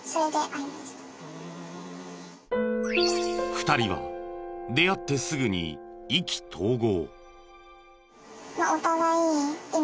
２人は出会ってすぐに意気投合。